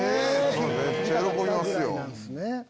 めっちゃ喜びますよ。